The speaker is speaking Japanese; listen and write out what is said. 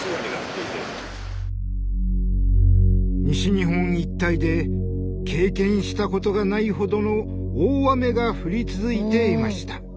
西日本一帯で経験したことがないほどの大雨が降り続いていました。